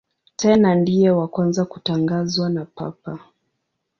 Tena ndiye wa kwanza kutangazwa na Papa.